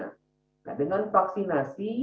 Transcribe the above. nah dengan vaksinasi